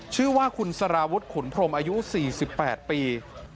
ชื่อว่าคุณสารวุฒิขุนพรมอายุ๔๘ปี